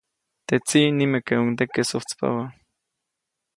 Teʼ tsiʼ nimekeʼuŋdeke sujtspabä.